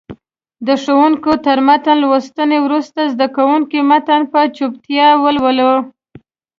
د ښوونکي تر متن لوستنې وروسته زده کوونکي متن په چوپتیا ولولي.